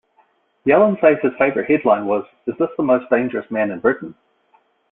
Yelland says his favourite headline was Is this the most dangerous man in Britain?